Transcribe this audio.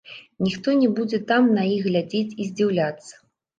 Ніхто не будзе там на іх глядзець і здзіўляцца.